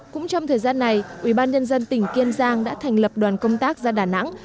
cũng trong thời gian này ủy ban nhân dân tỉnh kiên giang đã thành lập đoàn công tác ra đà nẵng